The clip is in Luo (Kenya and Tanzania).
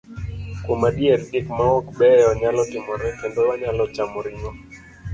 Kuom adier, gik maok beyo nyalo timore, kendo wanyalo chamo ring'o.